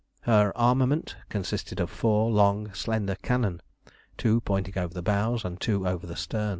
Her armament consisted of four long, slender cannon, two pointing over the bows, and two over the stem.